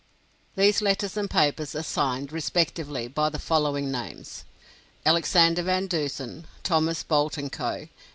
These letters and papers are signed, respectively, by the following names: Alexander Van Dusen; Thomas Boult & Co.